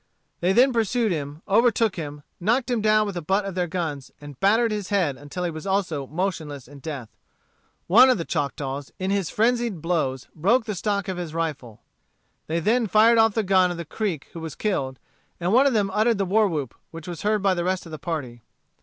They then pursued him, overtook him, knocked him down with the butt of their guns, and battered his head until he also was motionless in death. One of the Choctaws, in his frenzied blows, broke the stock of his rifle. They then fired off the gun of the Creek who was killed, and one of them uttered the war whoop which was heard by the rest of the party.